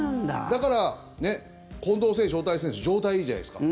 だから近藤選手、大谷選手状態いいじゃないですか。